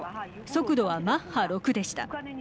速度はマッハ６でした。